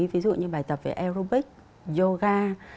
ví dụ như bài tập về aerobics yoga